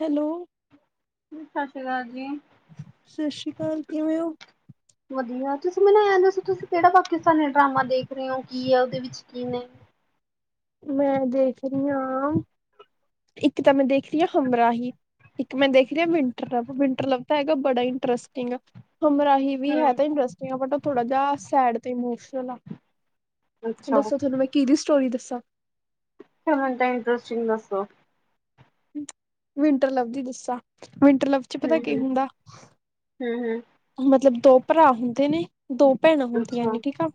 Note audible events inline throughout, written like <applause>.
Hello. ਸਤਿ ਸ਼੍ਰੀ ਅਕਾਲ ਜੀ। ਸਤਿ ਸ਼੍ਰੀ ਅਕਾਲ ਕਿਵੇਂ ਹੋ? ਵਧੀਆ, ਤੁਸੀਂ ਮੈਨੂੰ ਦੱਸੋ ਤੁਸੀਂ ਕਿਹੜਾ ਪਾਕਿਸਤਾਨੀ ਡਰਾਮਾ ਦੇਖ ਰਹੇ ਹੋ। ਕੀ ਹੈ ਉਹਦੇ ਵਿੱਚ ਕੀ ਨੇ। ਮੈਂ ਦੇਖ ਰਹੀ ਆ। ਇੱਕ ਤਾਂ ਮੈਂ ਦੇਖ ਰਹੀ ਹਾਂ ਹਮ ਰਾਹੀ। ਇੱਕ ਮੈਂ ਦੇਖ ਰਿਹਾ, ਵਿੰਟਰ ਲਵ। ਵਿੰਟਰ ਲਵ ਤਾਂ ਹੈਗਾ ਬੜਾ ਹੀ ਇੰਟਰਸਟਿੰਗ, ਹਮਰਾਹੀ- ਵੀ ਹੈ ਤਾਂ ਹੂੰ ਇੰਸਟਗ ਬਟ ਉਹ ਥੋੜਾ ਜਿਹਾ ਸੈਡ ਤੇ ਇਮੋਸ਼ਨਲ ਆ। ਅੱਛਾ ਦੱਸੋ ਫਿਰ ਤੁਹਾਨੂੰ ਮੈਂ- ਕਿਹਦੀ ਸਟੋਰੀ ਦੱਸਾਂ। ਪਹਿਲਾਂ ਤਾਂ ਇੰਟਰਸਟਿੰਗ ਦੱਸੋ। ਵਿੰਟਰ ਲਵ ਦੀ ਦੱਸਾਂ, ਵਿੰਟਰ ਲਵ ਚ ਪਤਾ ਕੀ ਹੁੰਦਾ। ਹੂੰ-ਹੂੰ। ਮਤਲਬ ਦੋ ਭਰਾ ਹੁੰਦੇ ਨੇ, ਦੋ ਭੈਣਾਂ ਹੁੰਦੀਆਂ ਅੱਛਾ, ਨੇ। ਠੀਕ ਆ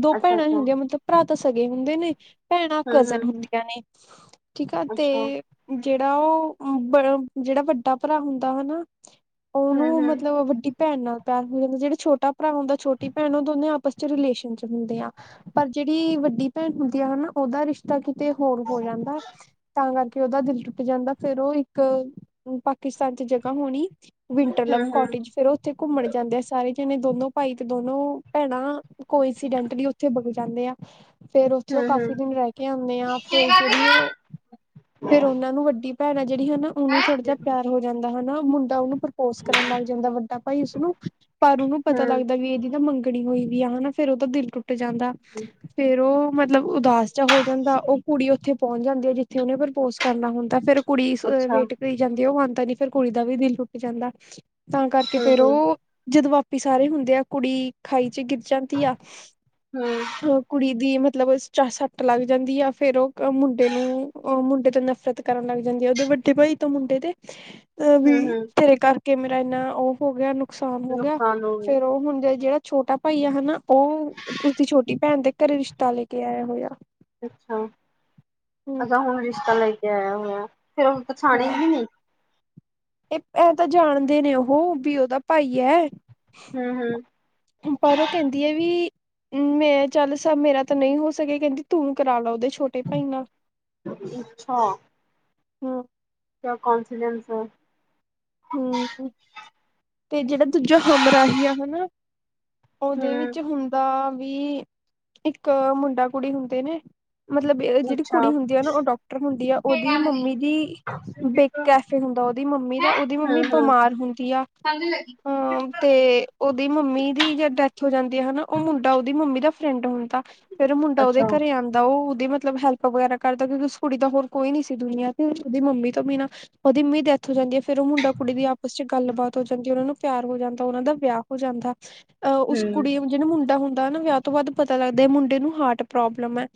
ਦੋ ਭੈਣਾਂ ਹੀ ਅੱਛਾ-ਅੱਛਾ। ਹੁੰਦੀਆਂ ਮਤਲਬ। ਭਰਾ ਤਾਂ ਸਗੇ ਹੁੰਦੇ ਨੇ, ਭੈਣਾਂ ਕਜ਼ਨ ਹੂੰ-ਹੂੰ। ਹੁੰਦੀਆਂ ਨੇ, ਠੀਕ ਆ। ਅੱਛਾ। ਤੇ ਜਿਹੜਾ ਉਹ ਜਿਹੜਾ ਵੱਡਾ ਭਰਾ ਹੁੰਦਾ, ਹਨਾ। ਉਹਨੂੰ ਹੂੰ-ਹੂੰ-ਹੂੰ-ਹੂੰ-ਹੂੰ। ਮਤਲਬ ਵੱਡੀ ਭੈਣ ਨਾਲ ਪਿਆਰ ਹੋ ਜਾਂਦਾ। ਜਿਹੜਾ ਛੋਟਾ ਭਰਾ ਹੁੰਦਾ ਛੋਟੀ ਭੈਣ ਉਹ ਦੋਨੇ ਆਪਸ ਰਿਲੇਸ਼ਨ' ਚ ਹੁੰਦੇ ਆ। ਪਰ ਜਿਹੜੀ ਵੱਡੀ ਭੈਣ ਹੁੰਦੀ ਆ ਹਨਾ ਉਹਦਾ ਰਿਸ਼ਤਾ ਕਿਤੇ ਹੋਰ ਹੋ ਜਾਂਦਾ। ਤਾਂ ਕਰਕੇ ਉਹਦਾ ਦਿਲ ਟੁੱਟ ਜਾਂਦਾ ਫੇਰ ਉਹ ਇੱਕ ਪਾਕਿਸਤਾਨ ਚ ਜਗ੍ਹਾ ਹੋਣੀ ਵਿੰਟਰ ਲਵ ਹੂੰ ਹੂੰ ਹੂੰ ਕੋਟਜ ਫੇਰ ਉੱਥੇ ਘੁੰਮਣ ਜਾਂਦੇ ਆ ਸਾਰੇ ਜਾਣੇ, ਦੋਨੋ ਭਾਈ ਤੇ ਦੋਨੋ ਭੈਣਾਂ। ਕੋਈ ਇੰਸੀਡੈਂਟ ਨਹੀਂ ਉੱਥੇ ਬਗ ਜਾਂਦੇ ਆ। ਫੇਰ ਉੱਥੇ ਉਹ ਕਾਫੀ ਦਿਨ ਰਹਿ ਕੇ ਆਉਂਦੇ ਆ ਫੇਰ ਹੂੰ ਜਿਹੜੀ ਉਹ ਫੇਰ ਉਹਨਾਂ ਨੂੰ ਵੱਡੀ ਭੈਣ ਆ ਜਿਹੜੀ ਹਨਾ ਉਹਨੂੰ ਥੋੜਾ ਜਿਹਾ ਪਿਆਰ ਹੋ ਜਾਂਦਾ ਹਨਾ ਮੁੰਡਾ ਉਹਨੂੰ ਪ੍ਰਪੋਜ ਕਰਨ ਲੱਗ ਜਾਂਦਾ ਵ ਭਾਈ ਉਸਨੂੰ। ਪਰ ਉਹਨੂੰ ਹੂੰ ਪਤਾ ਹੂੰ ਲੱਗਦਾ ਵੀ ਇਹਦੀ ਤਾਂ ਮੰਗਣੀ ਹੋਈ ਵੀ ਆ ਹਨਾ ਫੇਰ ਉਹ ਤਾਂ ਦਿਲ ਟੁੱਟ ਟੁਟ ਜਾਂਦਾ ਫੇਰ ਉਹ ਮਤਲਬ ਉਦਾਸ ਚ ਹੋ ਜਾਂਦਾ ਉਹ ਕੁੜੀ ਉੱਥੇ ਪਹੁੰਚ ਜਾਂਦੀ ਹੈ। ਜਿੱਥੇ ਉਹਨੇ ਪ੍ਰਪੋਸ ਕਰਨਾ ਹੁੰਦਾ ਫੇਰ ਕੁੜੀ ਅੱਛਾ ਵੇਟ ਰਹੀ ਜਾਂਦੀ ਆ। ਉਹ ਮੰਨਦਾ ਨੀ ਫੇਰ ਕੁੜੀ ਦਾ ਵੀ ਦਿਲ ਟੁਟ ਜਾਂਦਾ ਤਾਂ ਕਰਕੇ ਫੇਰ ਉਹ ਜਦੋਂ ਵਾਪਿਸ ਆ ਰਹੇ ਹੁੰਦੇ ਆ ਕੁੜੀ ਖਾਈ 'ਚ ਗਿਰ ਜਾਂਦੀ ਆ। ਹੂੰ-ਹੂੰ-ਹੂੰ-ਹੂੰ। ਕੁੜੀ ਦੀ ਮਤਲਬ ਚਾਹ ਸੱਟ ਲੱਗ ਜਾਂਦੀ ਆ ਫਿਰ ਉਹ ਮੁੰਡੇ ਨੂੰ ਅਹ ਮੁੰਡੇ ਤੋਂ ਨਫ਼ਰਤ ਕਰਨ ਲੱਗ ਜਾਂਦੀ ਉਹਦੇ ਵੱਡੇ ਭਾਈ ਤੋਂ ਮੁੰਡੇ ਤੇ ਹ। <inaudible> ਅ ਵੀ ਤੇਰੇ ਕਰਕੇ ਮੇਰਾ ਇੰਨਾ ਉਹ ਹੋ ਗਿਆ ਨੁਕਸਾਨ ਹੋ ਗਿਆ ਨੁਕਸਾਨ ਹੋ ਗਿਆ ਫੇਰ ਉਹ ਹੁਣ ਜਿਹੜਾ ਛੋਟਾ ਭਾਈਆ ਹਨਾ ਉਹ ਉਸਦੀ ਛੋਟੀ ਭੈਣ ਦੇ ਘਰੇ ਰਿਸ਼ਤਾ ਲੈ ਕੇ ਆਇਆ ਹੋਇਆ। ਅੱਛਾ, ਹਮ ਹੁਣ ਰਿਸ਼ਤਾ ਲੈ ਕੇ ਆਇਆ ਹੋਇਆ ਫ਼ਿਰ ਉਹ ਹਾਂ ਪਛਾਣੇਗੀ ਨਹੀਂ? ਇਹ ਐਂ ਤਾਂ ਜਾਣਦੇ ਨੇ ਉਹ ਵੀ ਉਹਦਾ ਭਾਈ ਹੈ। ਹਮ -ਹਮ। ਪਰ ਉਹ ਕਹਿੰਦੀ ਹੈ ਵੀ ਮੈਂ ਚੱਲ ਸਭ ਮੇਰਾ ਤਾਂ ਨਹੀਂ ਹੋ ਸਕੇਗਾ ਕਹਿੰਦੀ ਤੂੰ ਕਰਾ ਲੈ ਓਦੇ ਛੋਟੇ ਛੋਟੇ ਭਾਈ ਨਾਲ, ਅੱਛਾ ਹਮ ਕਿਆ ਕੌਂਫੀਡੈਂਸ ਹਮ, ਤੇ ਜਿਹੜਾ ਦੂਜਾ ਹਮਰਾਹੀ ਆ, ਹਨਾ। ਉਹਦੇ ਹੂੰ। ਵਿੱਚ ਹੁੰਦਾ ਵੀ ਇੱਕ ਮੁੰਡਾ- ਕੁੜੀ ਹੁੰਦੇ ਨੇ। ਮਤਲਬ ਇਹ ਜਿਹੜੀ ਅੱਛਾ ਕੁੜੀ ਹੁੰਦੀ ਆ ਨਾ ਉਹ ਡਾਕਟਰ ਹੁੰਦੀ ਆ ਉਹਦੀ ਹੂੰ ਮੰਮੀ ਦੀ ਬਿੱਗ ਕੈਫੇ ਹੁੰਦਾ ਉਹਦੀ ਮੰਮੀ ਦਾ। ਉਹਦੀ ਮੰਮੀ ਹੂੰ ਬਿਮਾਰ ਹੁੰਦੀ ਆ। ਹਮ, ਤੇ ਓਦੀ ਮੰਮੀ ਦੀ ਜਦੋ ਡੈਥ ਹੋ ਜਾਂਦੀ ਹੈ, ਹਨਾ। ਉਹ ਮੁੰਡਾ ਉਹਦੀ ਮੰਮੀ ਦਾ ਫਰੈਂਡ ਹੁੰਦਾ। ਫੇਰ ਮੁੰਡਾ ਉਹਦੇ ਅੱਛਾ ਹੂੰ ਘਰੇ ਆਉਂਦਾ ਉਹਦੀ ਮਤਲਬ ਹੈਲਪ ਵਗੈਰਾ ਕਰਦਾ ਕਿਉਂਕਿ ਉਸ ਕੁੜੀ ਦਾ ਹੋਰ ਕੋਈ ਨੀ ਸੀ ਦੁਨੀਆਂ ਤੇ ਉਹਦੀ ਮੰਮੀ ਤੋਂ ਬੀਨਾ ਉਹਦੀ ਮੰਮੀ ਦੀ ਡੈਥ ਹੋ ਜਾਂਦੀ ਹੈ ਫੇਰ ਉਹ ਮੁੰਡਾ -ਕੁੜੀ ਦੀ ਆਪਸ ਚ ਗੱਲਬਾਤ ਹੋ ਜਾਂਦੀ ਉਹਨਾਂ ਨੂੰ ਪਿਆਰ ਹੋ ਜਾਂਦਾ, ਉਹਨਾਂ ਦਾ ਵਿਆਹ ਹੋ ਜਾਂਦਾ। ਅ ਉਸ ਕੁੜੀ ਜਿਹੂੰ ਮੁੰਡਾ ਹੁੰਦਾ ਨਾ ਵਿਆਹ ਤੋਂ ਬਾਅਦ ਪਤਾ ਲੱਗਦਾ ਮੁੰਡੇ ਨੂੰ ਹਾਰਟ ਪ੍ਰੋਬਲਮ ਹੈ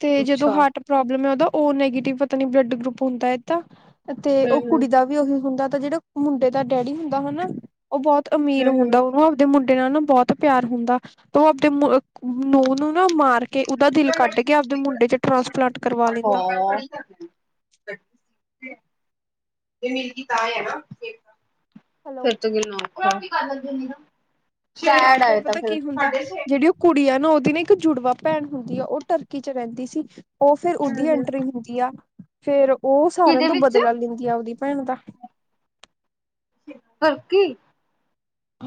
ਤੇ ਜਦੋਂ ਅੱਛਾ ਹਾਰਟ ਪ੍ਰੋਬਲਮ ਹੈ ਉਹਦਾ ਉਹ ਨੈਗੇਟਿਵ ਪਤਾ ਨੀ ਬਲੱਡ ਗਰੁਪ ਹੁੰਦਾ ਹੈ ਤਾਂ। ਹੂੰ ਉਹ ਕੁੜੀ ਦਾ ਵੀ ਉਹੀ ਹੁੰਦਾ ਤਾਂ ਜਿਹੜਾ ਮੁੰਡੇ ਦਾ ਡੈਡੀ ਹੁੰਦਾ ਹਨਾ, ਉਹ ਬਹੁਤ ਅਮੀਰ ਹੂੰ ਹੂੰ ਹੁੰਦਾ। ਹੂੰ ਉਹ ਦੇ ਮੁੰਡੇ ਨਾਲ ਨਾ ਬਹੁਤ ਪਿਆਰ ਹੁੰਦਾ। ਤੇ ਉਹ ਆਪਦੇ ਨੂੰਹ ਨੂੰ ਨਾ ਮਾਰ ਕੇ ਉਹਦਾ ਦਿਲ ਕੱਢ ਕੇ ਆਪਦੇ ਮੁੰਡੇ ਚ ਟਰਾਂਸਪਲਾਂਟ ਕਰਵਾ ਲੈਂਦਾ। ਹਾਂ। <inaudible> <unintelligible> ਤਾਂ ਹੈ ਨਾ। ਫਿਰ ਹੈਲੋ ਤੋਂ ਗਿਣਨਾ ਔਖਾ। ਚ ਐੱਡ ਏ ਫਿਰ। ਕੁੜੀਆਂ ਨਾ ਉਹਦੀ ਨਾ ਇੱਕ ਜੁੜਵਾ ਭੈਣ ਹੁੰਦੀ ਆ। ਉਹ ਟਰਕੀ 'ਚ ਰਹਿੰਦੀ ਸੀ ਉਹ ਫਿਰ ਉਹਦੀ ਹੂੰ ਹੂੰ ਐਂਟਰੀ ਹੁੰਦੀ ਆ। ਫੇਰ ਉਹ ਸਾਰਿਆਂ ਕਿਹਦੇ ਤੋਂ ਵਿੱਚ ਬਦਲਾ ਲੈਂਦੀ ਆ ਆਪਦੀ ਭੈਣ ਦਾ। ਬਲ ਕਿ।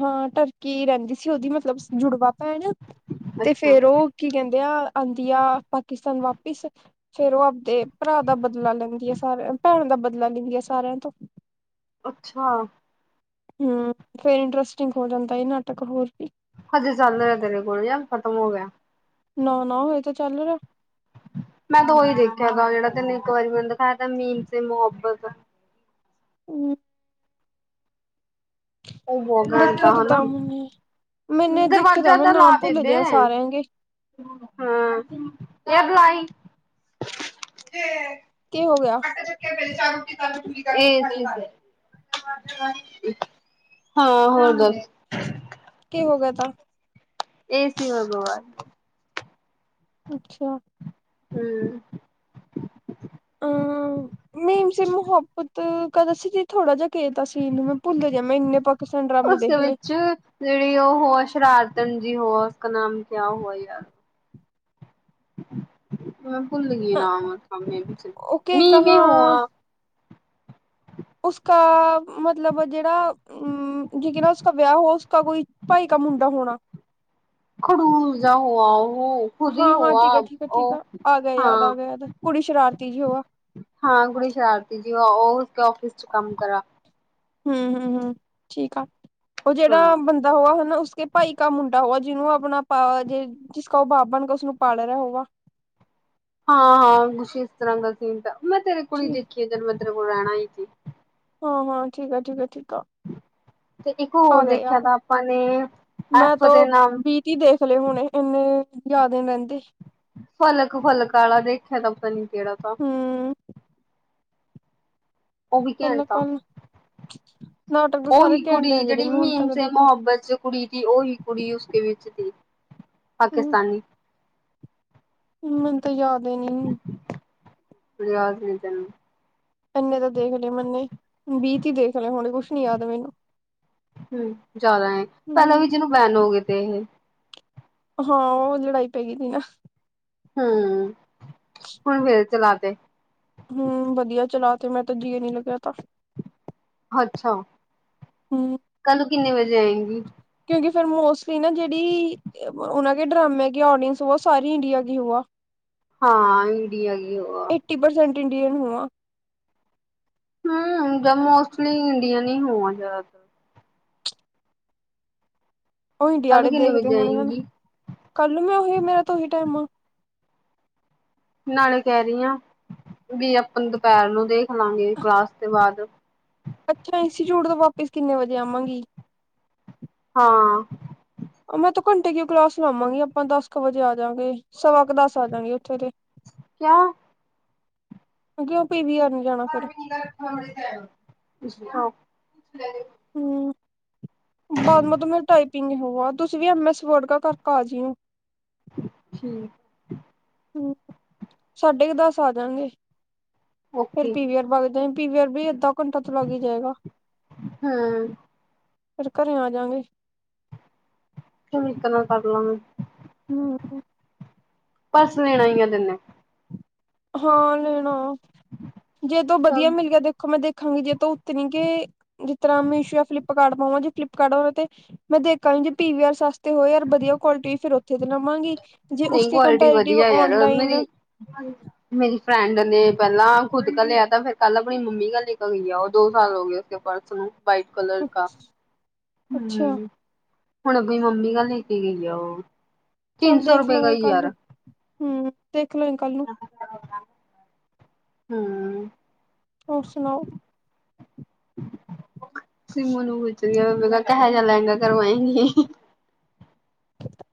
ਹਾਂ ਟੱਕੀ ਰਹਿੰਦੀ ਸੀ ਉਹਦੀ ਸ ਮਤਲਬ ਜੁੜਵਾ ਭੈਣ ਤੇ ਅੱਛਾ ਫੇਰ ਉਹ। ਕੀ ਕਹਿੰਦੇ ਆ ਆਉਂਦੀਆ ਪਾਕਿਸਤਾਨ ਵਾਪਿਸ। ਫੇਰ ਉਹ ਆਪਦੇ ਭਰਾ ਦਾ ਬਦਲਾ ਲੈਂਦੀ ਆ ਸਾਰਿਆਂ ਤੇ ਭੈਣ ਦਾ ਬਦਲਾ ਲੈਂਦੀ ਆ ਸਾਰਿਆਂ ਤੋਂ। ਅੱਛਾ। ਹਮ ਫੇਰ ਇੰਟਰਸਟਿੰਗ ਹੋ ਜਾਂਦਾ ਇਹ ਨਾਟਕ ਹੋਰ ਵੀ। ਹਜੇ ਚੱਲ ਰਿਹਾ ਤੇਰੇ ਕੋਲ ਯ ਖਤਮ ਹੋ ਗਿਆ। ਨੌ ਨੌ। ਇਹ ਤਾਂ ਚੱਲ ਰਿਆ। ਮੈਂ ਤਾਂ ਉਹੀ ਦੇਖਿਆਾ ਤਾਂ ਜਿਹੜਾ ਤੈਨੂੰ ਇੱਕ ਵਾਰੀ ਮੈਨੂੰ ਦੇਖਿਆ ਮੀ ਤੇ ਮੁਹੱਬਤ ਦਾ। ਹਮ। ਉਹ ਬਹੁਗਾ ਦਾ ਦੇਖਿਆ ਤਾਂ ਹਨਾ ਤਾਂ ਮੈਨੇ ਮੈਨੇ ਦੇਖਿਆ ਦਰਵਾਜਾ ਮੈਂ ਤਾਂ ਲਾ ਨਾਮ ਭੁੱਲ ਦੇਦੇ। ਗਿਆ ਸਾਰਿਆਂ ਦੇ ਹਾ ਇਹ ਬਲਾਈ ਤੇ ਕੀ ਹੋ ਗਿਆ ਫ ਚ ਰੋ ਇਹ ਠੀਕ ਆ ਹਾਂ ਹੋਰ ਗੱਲ ਹੋਗਾ ਤਾਂ ਏ ਸੀ ਭਗਵਾਨ ਅੱਛਾ ਹਮ ਅਮ ਹਮ ਮੇਮ ਸੀ ਮੁਹੱਬਤ ਕਦਾ ਸੀ ਜ ਥੋੜਾ ਜਿਹਾ ਕੇਤਾ ਸੀਨੂੰ ਮੈਂ ਭੁੱਲ ਜਾ ਮੈਂ ਇੰਨੇ ਪ ਉਸਦੇ ਵਿੱਚ ਜਿਹੜੀ ਉਹ ਹੋ ਸ਼ਰਾਰਤਨ ਜੀ ਹੋ ਉਸਦਾ ਨਾਮ ਕਿਆ ਹੋ ਯਾਰ ਮੈਂ ਭੁੱਲ ਗਈ ਨਾਮ ਮੈਂ ਉਹ ਕੇ ਮੀਂਵੇ ਕਹਾਂ ਹੋਆ ਉਸਕਾ ਮਤਲਬ ਜਿਹੜਾ ਹਮ ਜੇਕਹ ਨਾ ਉਸ ਵਿਆਹ ਹੋ ਉਸ ਕੋਈ ਭਾਈ ਕਾ ਮੁੰਡਾ ਹੋਣਾ ਖੜੂਰ ਜਾ ਉਹਆ ਉਹ ਖੁਦ ਹਾਂ ਹੀ ਹਾਂ ਹੋਆ ਠੀਕ ਹੈ ਠੀਕ ਹੈ ਠੀਕ ਉਹ ਆ ਗਿਆ ਯਾਦ ਆ ਹਾਂ ਗਿਆ ਯਾਦ ਕੁੜੀ ਸ਼ਰਾਰਤੀ ਜੀ ਹੋ ਹਾਂ ਕੁੜੀ ਸ਼ਰਾਰਤੀ ਜੀ ਉਹ ਉਸ ਫਿਸ ਚ ਕੰਮ ਕਰਾ ਹਮ ਹਮ ਹ ਠੀਕ ਆ ਉਹ ਹਾਂ ਜਿਹੜਾ ਬੰਦਾ ਹੋਆ ਹਨਾ ਉਸ ਭਾਈ ਕਾ ਮੁੰਡਾ ਹੋ ਜਿਹਨੂੰ ਆਪਣਾ ਪਾ ਜੇ ਜਿਸ ਉਹ ਬਾਬ ਬਣ ਕੇ ਉਸਨੂੰ ਪਾਲ ਰਿਹਾ ਹੋਗਾ ਹਾਂ ਹਾਂ ਕੁਛ ਇਸ ਤਰ੍ਹਾਂ ਦਾ ਸੀਨ ਮੈਂ ਤੇਰੇ ਕੋਲ ਹੀ ਦੇਖੀਏ ਜਲਮੰਦਰ ਕੋਲ ਰਹਿਣਾ ਹੀ ਸੀ ਹਾਂ ਹਾਂ ਠੀਕ ਆ ਠੀਕ ਠੀਕ ਆ ਤੇ ਇੱਕ ਹੋਰ ਦੇਖਿਆ ਤਾਂ ਆਪਾਂ ਨੇ ਐਫ ਦੇ ਨਾਮ ਕੀ ਦੇਖ ਲਏ ਹੁਣੇ ਇੰਨੇ ਜ਼ਿਆਦੇ ਨੀ ਰਹਿੰਦੇ ਫਲਕ-ਫਲਕ ਵਾਲਾ ਦੇਖਿਆ ਤਾਂ ਪਤਾ ਨੀ ਕਿਹੜਾ ਤਾ? ਹੂੰ ਉਹ ਵੀ ਕੱਲ ਘੰਟਾ ਕੱਲ ਤਾ, ਨਾਟਕ ਤਾਂ ਸਾਰੇ ਉਹੀ! ਘੈਂਟ ਆ ਕੁੜੀ ਜਿਹੜੇ ਜਿਹੜੀ ਮੈਂ ਹੁਣ ਮੀਮ ਤੱਕ ਸੇ ਦੇਖੇ ਮੁਹੱਬਤ ਚ ਕੁੜੀ ਦੀ, ਉਹੀ ਕੁੜੀ, ਉਸਦੇ ਵਿੱਚ ਸੀ ਹੂੰ ਪਾਕਿਸਤਾਨੀ ਮੈਨੂੰ ਤਾਂ ਯਾਦ ਈ ਨੀ। ਕੁ ਯਾਦ ਨਹੀਂ ਤੈਨੂੰ। ਇੰਨੇ ਤਾਂ ਦੇਖ ਲਏ ਮੰਨੇ, ਵੀ-ਤੀ ਦੇਖ ਲਏ ਹੁਣੇ ਕੁਛ ਨੀ ਯਾਦ ਮੈਨੂੰ ਹਮ ਜ਼ਿਆਦਾ ਪਹਿਲਾਂ ਹਮ ਵੀ ਜਿਹਨੂੰ ਬੈਨ ਹੋ ਗਏ ਤੇ ਇਹ। ਹਾਂ! ਉਹ ਲੜਾਈ ਪੈ ਗਈ ਸੀ ਨਾ। ਹਮ! ਹੁਣ ਫੇਰ ਚਲਾ ਤੇ। ਹਮ ਵਧੀਆ ਚਲਾ ਤੇ, ਮੈਂ ਤਾਂ ਜੀ ਨੀ ਲੱਗਿਆ ਤਾ। ਅੱਛਾ ਕੱਲ ਕਿੰਨੇ ਵਜੇ ਆਏਗੀ ਕਿਉਂਕਿ ਫੇਿਰ ਮੋਸਟਲੀ ਨਾ ਜਿਹੜੀ ਉਹ ਡਰਾਮੇ ਆ ਉਹ ਸਾਰੀ ਇੰਡੀਆ ਦੀ ਹੋ ਆ ਹਾਂ ਇ ਡੀ ਆਈ ਉਹ ਆ ਫਟੀਸੈਂਟ ਇੰਡੀਅਨ ਹੋ ਆ ਹਮ ਜਾਂ ਮੋਸਟਲੀ ਇੰਡੀਅਨ ਹੀ ਹੋਵਾਂ ਜ਼ਿਆਦਾਤਰ ਉਹ ਇੰਡੀਆ ਕੱਲ ਕਿੰਨੇ ਦੇਖਦੇ ਵਜੇ ਹੋਣੇ ਹਨ ਆਏਗੀ ਕੱਲ ਮ ਉਹੀ ਮੇਰਾ ਤਾਂ ਉਹੀ ਟਾਈਮ ਆ ਨਾਲੇ ਕਹਿ ਰਹੀ ਹਾਂ ਵੀ ਆਪਾਂ ਦੁਪਹਿਰ ਨੂੰ ਦੇਖ ਲਵਗੇ ਕਲਾਸ ਤੋਂ ਬਾਅਦ ਅੱਛਾ ਇੰਸਟੀਚਿਊਟ ਤੋਂ ਵਾਪਿਸ ਕਿਨੇ ਵਜੇ ਆਵਾਂਗੀ ਹਾਂ ਮੈਂ ਤੋਂ ਘੰਟੇ ਕੀ ਕਲਾਸ ਲਾਵਾਂਗੀ ਆਪਾਂ ਦਸ ਕੁ ਵਜੇ ਆਜਗੇ ਸਵਾ ਕੁ ਦੱਸ ਆ ਜਾਗੇ ਉੱਥੇ ਦੇ ਕਿਆ ਕਿਂ ਪੀ ਵੀਾਰ ਘਰ ਵੀ ਨੀ ਰੱਖਣਾ ਬੇ ਹਮ ਬਾਦ ਮ ਮੇ ਟਾਈਪਿੰਗ ਹੋ ਤੁਸੀਂ ਵੀ ਐਮ ਐਸ ਵਰਡਗਾ ਕਰਕੇ ਆ ਜਿਓ ਠੀਕ ਹਮ ਸਾਢੇ ਕੁ ਦੱਸ ਆ ਜਾਗੇ ਫੇਰ ਓਕੇ ਪੀ ਵੀ ਆਰ ਬਾਗ ਜਾ ਰ ਵੀ ਅੱਧਾ ਘੰਟਾ ਤੋਂ ਲੱਗ ਜਾਏਗਾ ਹੂੰ ਫਿਰ ਘਰੇ ਆ ਜਾਂਗੇ। ਮਤ ਨਾ ਕਰ ਲਾਂ <unintelligible> ਹਮ ਪਰਸ ਦੇਣਾ ਹੀਈ ਆ ਤਨੇ <unintelligible> ਹਾਂ ਲੈਣਾ। ਜੇ ਤੋਂ ਵਧੀਆ ਚੱਲ ਮਿਲ ਗਿਆ ਦੇਖੋ ਮੈਂ ਦੇਖਾਂਗੀ ਜੇ ਤ ਉਤਣੀ ਕਿ, ਜਿਸ ਤਰ੍ਹਾਂ ਮੀਸ਼ੋ ਜਾਂ, ਫਲਿੱਪਕਾਰਟ ਪਾਵਾਂ ਜੇ ਫਲਿੱਪਕਾਰਟ ਤੇ, ਮੈਂ ਦੇਖਾਂਗੀ ਜੇ ਪੀ-ਵੀੀ-ਆਰ ਸਸਤੇ ਹੋਏ ਯਾਰ ਵਧੀਆ ਕੁਆਲਿਟੀ ਫਿਰ ਉੱਥੇ ਤੇ ਲਵਾਂਗੀ ਜੇ ਨਹੀਂ ਉਸਕੇ ਕੁਆਲਿਟੀ ਕੰਪੈਰੇਟਿਵ ਵਧੀਆ ਯਾਰ, ਔਨਲਾਈਨ ਮੇਰੀ ਮੇਰੀ ਫਰੈਂਡ ਨੇ ਪਹਿਲਾਂ, ਖੁਦ ਕ ਲਿਆ ਤਾਂ, ਫੇਿਰ ਕੱਲ ਆਪਣੀ ਮੰਮੀ ਕ ਲੈ ਕੇ ਗਈ ਆ, ਉਹ ਦੋ ਸਾਲ ਹੋ ਗਏ। ਪਰਸ ਵਾਈਟ ਕਲਰ ਕਾ ਅੱਛਾ। ਹੂੰ ਹੁਣ ਅਪਣੀ ਮੰਮੀ ਗ ਲੈ ਕੇ ਗਈ ਆ ਉਹ, ਚੱਲ ਤਿੰਨ ਸੌ ਦੇਖ ਰੁਪਏ ਲਾਂਗੇ ਗਈ ਕੱਲ ਯਾਰ ਨੂੰ ਹਮ ਦੇਖਲਓ ਕੱਲ ਨੂੰ ਹਮ ਹੋਰ ਸੁਣਾਓ? <unintelligible> ਸਮੂ ਨੂੰ ਪੁੱਛਦੀ ਮ ਕਿਹੋਿ ਜੇਹਾ ਲੈੰਗਾ ਕਰਵਾਏਗੀ?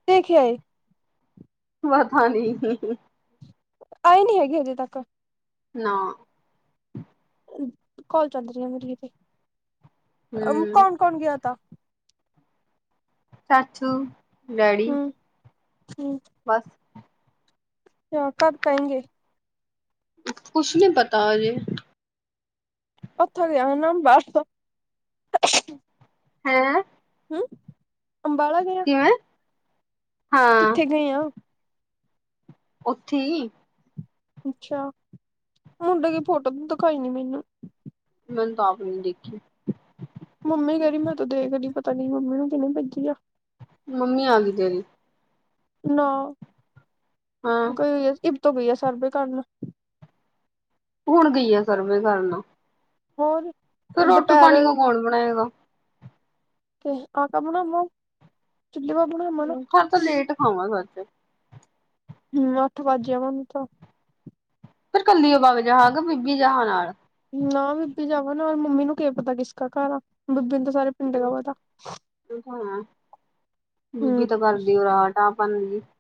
ਦੇਖਿਆਏ ਵਧ ਨ ਆਏ ਨਹੀਂ ਹੈਗੀ ਹਜੇ ਤੱਕ। ਨਾ ਕੋਲ ਚੱਲ ਰਹੀ ਆ ਮੇਰੀ ਤੇ। ਹਮ ਕੌਣ ਕੌਣ ਗਿਆ ਤਾ? ਚਾਚੂ, ਡੈਡੀ? ਹਮ ਹਮ ਬਸ। <unintelligible> ਕੁਛ ਨੀ ਪਤਾ ਅਜੇ <unintelligible> ਹੈਂ ਹੂੰ, ਅੰਬਾਲਾ ਗਏ ਹੈਂ। ਕਿੱਥੇ ਗਏ ਆਂ ਓੱਥੇ ਈ ਅੱਛਾ, ਮੁੰਡੇ ਕੀ ਫੋਟੋ ਦਿਖਾਈ ਨੀ ਮੈਨੂੰ ਮੈਨੂੰ ਤਾਂ ਆਪ ਨੇ ਦੇਖੀ। ਮੰਮੀ ਕਹਿ ਰਹੀ ਮੈਂ ਤੂੰ ਦੇਖਦੀ ਪਤਾ ਨੀ, ਮੰਮੀ ਨੂੰ ਕਿਨੇ ਭੇਜੀ ਆ? ਮੰਮੀ, ਆ ਗਈ ਤੇਰੀ। ਨਾ ਹਾਂ ਗਏ ਇਪ ਤੋਂ ਗਈ ਹੈ ਸਰਵੇ ਕਰਨ ਹੁਣ ਗਈ ਆ ਸਰਵੇ ਕਰਨ ਹੋਰ? ਫਿਰ ਰੋਟੀ ਦੁਪਹਿਰ ਪਾਣੀ ਕਾ ਕੌਣ ਬਣਾਏਗਾ? ਤੇ ਆਕਾ ਬਣਾਵਾਂ। ਚੁੱਲ੍ਹੇ ਪੇ ਬਣਾਵਾਂ ਨਾ। ਹੁਣ ਤਾਂ ਲੇਟ ਖਾਵਾਂ ਸੱਚ ਹੂੰ, ਅੱਠ ਵੱਜ ਦੇ ਮੈਨੂੰ ਤਾਂ ਫਿਰ ਕੱਲੀਓ ਬਗ ਜੇਹਾ ਕਿ ਬੀਬੀ ਜੇਹਾ ਨਾਲ ਨਾ ਬੀਬੀ ਜਾਵੇ ਨਾਲ ਮੰਮੀ ਨੂੰ ਕਿਆ ਪਤਾ ਕਿਸਕਾ ਘਰ ਆ ਬੀਬੀ ਨੂੰ ਤਾਂ ਸਾਰੇ ਪਿੰਡ ਕਾ ਪਤਾ। ਹਮ <unintelligible>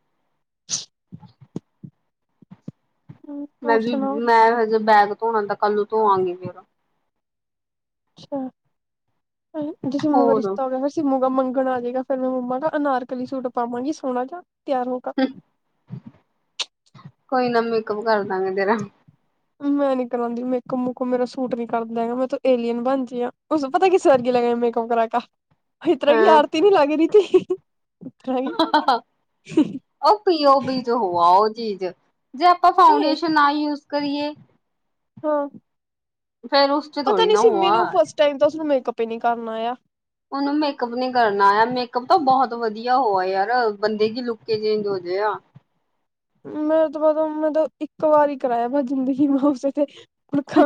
ਹੂੰ। ਮੈਂ ਹੋਰ ਵੀ ਸੁਣਾਓ ਮੈਂ ਹਜੇ ਬੈਗ ਧੋਣਾ ਤਾਂ ਕੱਲ ਨੂੰ ਧੋਵਾਂਗੀ ਫੇਰ ਅੱਛਾ, ਜੇ ਸਿੰਮੁ ਕਾ ਹੋਰ ਰਿਸ਼ਤਾ ਹੋ ਗਿਆ ਮੂੰਗਾ ਮੰਗਣ ਆਜੇਗਾ ਫੇਰ ਮੈਂ ਮੰਮਾ ਦਾ ਅਨਾਰਕਲੀ ਸੂਟ ਪਾਵਾਂਗੀ ਸੋਹਣਾ ਜਾ, ਤੇਆਰ ਹੋਕਾ ਕੋਈ ਨਾ ਮੇਕਅੱਪ ਕਰਦਾਂਗੇ ਤੇਰਾ ਮੈਂ ਨੀ ਕਰਾਂਦੀ। ਮੇਕਅੱਪ ਮੂਕਅੱਪ ਮੇਰਾ ਸੂਟ ਨੀ ਕਰਦਾ ਹੈਗਾ। ਮੈਂ ਤੇ ਏਲੀਅਨ ਬਣਦੀਆ ਪਤਾ ਕਿਸ ਵਰਗੀ ਲੱਗੈ ਮੇਕਅਪ ਕਰਾਕੇ <unintelligible> ਹਿਤਰਾ ਕੀ ਹਾਂ ਆਰਤੀ ਵੀ ਲੱਗ ਰਈ ਥੀ। ਓ ਪੀ ਓ ਤੋ ਹੋਵੈ ਓ ਚੀਜ ਜੇ ਆਪਾ ਏ ਫਾਊਂਡੇਸ਼ਨ ਨਾ ਯੂਜ ਕਰੀਏ ਹੂੰ। ਫੇਰ ਉਸ ਚ ਥੋੜੀ ਨਾ ਹੋਆ ਨੂੰ ਫਸਟ ਤਾਈ ਤਾ ਓਸਨੂੰ ਮੇਕੱਅਪ ਈ ਨੀ ਕਰਨਾ ਆਇਆ। ਓਨੂੰ ਮੇਕਅੱਪ ਨੀ ਕਰਨਾ ਆਇਆ। ਮੇਕਅੱਪ ਤਾ ਬਹੁਤ ਵਧੀਆ ਹੋਵੈ। ਯਾਰ ਬੰਦੇ ਕੀ ਲੁਕ ਈ ਚੇਂਜ ਹੋਜੇ ਆ ਮੈ ਤੇ ਬਸ ਇੱਕ ਵਾਰੀ ਕਰਾਇਆ ਮੈਂ ਜ਼ਿੰਦਗੀ ਮੇ ਉਸੇ ਤੇ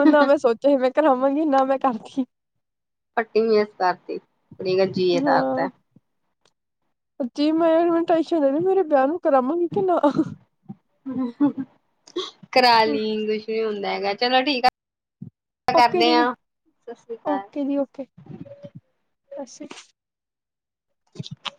ਨਾ ਮੈਂ ਸੋਚ ਨਾ ਮੈਂ ਕਰਾਵਾਂਗੀ, ਨਾ ਮੈਂ ਕਰਦੀ ਪੱਟੀ ਮੇਸ ਕਰਤੀ, ਜੀ ਹਟਾਤਾ ਜੇ ਮੈ ਮੇਰੇ ਵਿਆਹ ਨੂੰ ਕਰਾਵਾਂ ਕੇ ਨਾ ਕਰਾਲੀ ਕੁਛ ਨੀ ਹੁੰਦਾ ਹੈਗਾ। ਚਲੋ ਠੀਕ ਆ ਓਕੇ ਕਰਦੇ ਦੀਦੀ ਆਂ। ਸਸਰੀ ਕਾਲ। ਜੀ ਓਕੇ। ਅਸੀ <unintelligible>